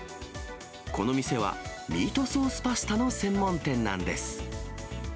この店は、ミートソースパスタの専門店なんです。